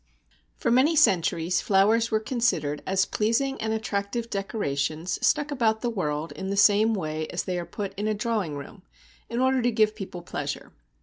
For many centuries flowers were considered as pleasing and attractive decorations stuck about the world in the same way as they are put in a drawing room in order to give people pleasure.